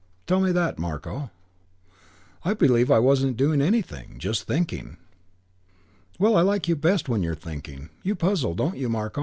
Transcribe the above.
Tell me that, Marko." "I believe I wasn't doing anything. Just thinking." "Well, I like you best when you're thinking. You puzzle, don't you, Marko?